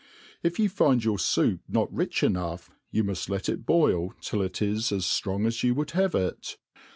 IF you find your foup not rich enough, you muft let it boil till it is as ftrong as you would have it.